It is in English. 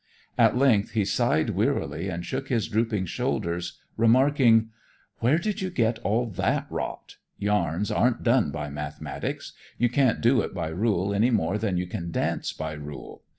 At length he sighed wearily and shook his drooping shoulders, remarking: "Where did you get all that rot? Yarns aren't done by mathematics. You can't do it by rule any more than you can dance by rule.